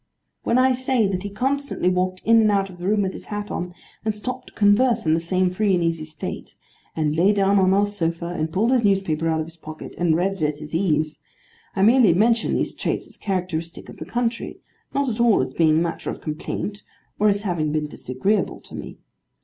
When I say that he constantly walked in and out of the room with his hat on; and stopped to converse in the same free and easy state; and lay down on our sofa, and pulled his newspaper out of his pocket, and read it at his ease; I merely mention these traits as characteristic of the country: not at all as being matter of complaint, or as having been disagreeable to me.